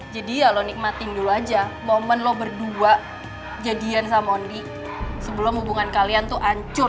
jadi ya lo nikmatin dulu aja momen lo berdua jadian sama mondi sebelum hubungan kalian tuh ancur